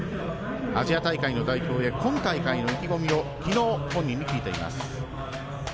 アジア大会の代表で今大会の意気込みをきのう、本人に聞いています。